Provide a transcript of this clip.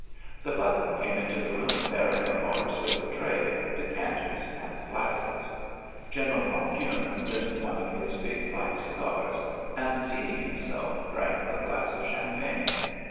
The butler came into the room bearing a large silver tray, decanters and glasses. General von Kuhne lit one of his big black cigars, and seating himself, drank a glass of champagne.